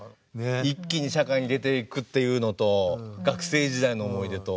一気に社会に出て行くっていうのと学生時代の思い出と。